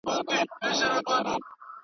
کفن کښ ظالم کړې ورک له دغه ځایه.